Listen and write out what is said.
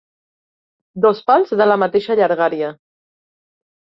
Dos pals de la mateixa llargària.